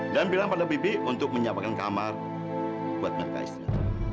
dan bilang pada bibi untuk menyiapkan kamar buat mereka istimewa